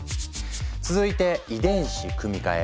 続いて遺伝子組み換え。